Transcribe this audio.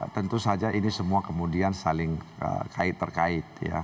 tentu saja ini semua kemudian saling terkait